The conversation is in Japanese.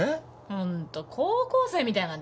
ホント高校生みたいなんだから。